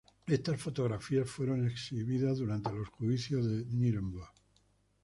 Estas fotografías fueron exhibidas durante los Juicios de Núremberg.